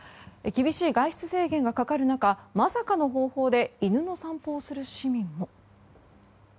厳しい外出制限がかかる中まさかの方法で犬の散歩をする市民も。